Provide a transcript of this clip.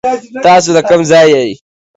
تاسو دا کوم ځای يي ؟